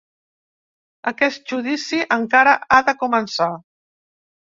Aquest judici encara ha de començar.